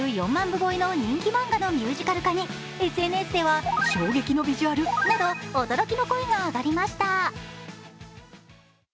部超えの人気漫画のミュージカル化にＳＮＳでは衝撃のビジュアルなど驚きの声が上がりました。